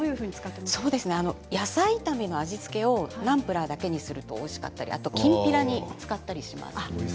野菜炒めの味付けをナンプラーだけにするとおいしかったりきんぴらに使ったりしています。